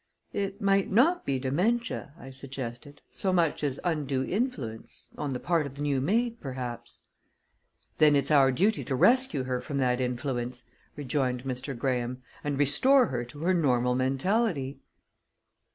"It might not be dementia," I suggested, "so much as undue influence on the part of the new maid, perhaps." "Then it's our duty to rescue her from that influence," rejoined Mr. Graham, "and restore her to her normal mentality."